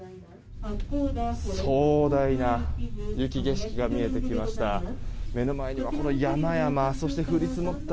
壮大な雪景色が見えてきました。